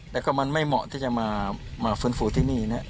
แต่ก็มันไม่เหมาะที่จะมาฟื้นฟูที่นี่นะ